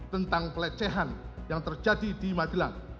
tentang pelecehan yang terjadi di magelang